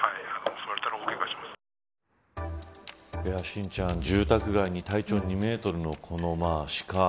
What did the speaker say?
心ちゃん住宅街に体長２メートルのこのシカ。